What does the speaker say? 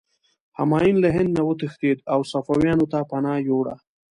همایون له هند نه وتښتېد او صفویانو ته پناه یووړه.